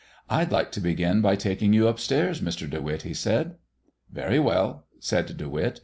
"I'd like to begin by taking you up stairs, Mr. De Witt," he said. "Very well," said De Witt.